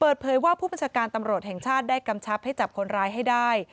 เปิดเผยว่าผู้บัญชาการตำรวจแห่งชาติได้กำชับให้จับคนร้ายให้ได้